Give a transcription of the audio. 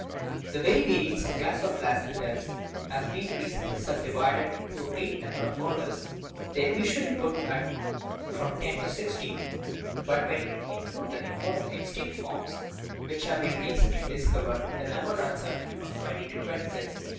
The very varied sub class of the placentals has been recently subdivided into a great number of orders ; they are usually put at from ten to sixteen, but when we in clude the important extinct forms which have been re cently discovered the number runs up to from twenty to twenty six.